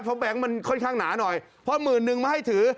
เพราะหมื่นนึงมาให้ถือ